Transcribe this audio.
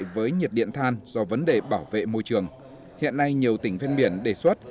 với nhiệt điện than do vấn đề bảo vệ môi trường hiện nay nhiều tỉnh ven biển đề xuất